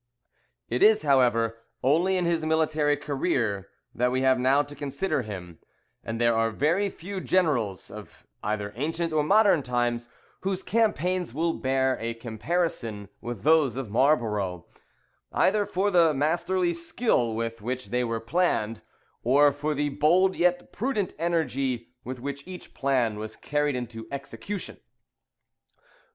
It is, however, only in his military career that we have now to consider him; and there are very few generals, of either ancient or modern times, whose campaigns will bear a comparison with those of Marlborough, either for the masterly skill with which they were planned, or for the bold yet prudent energy with which each plan was carried into execution.